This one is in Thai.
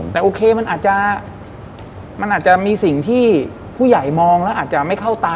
แต่โอเคมันอาจจะมันอาจจะมีสิ่งที่ผู้ใหญ่มองแล้วอาจจะไม่เข้าตา